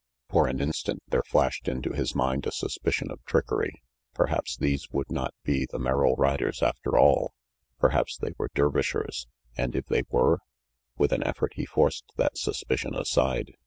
For an instant there flashed into his mind a sus picion of trickery. Perhaps these would not be the Merrill riders after all. Perhaps they were Der vishers; and if they were? With an effort he forced that suspicion aside.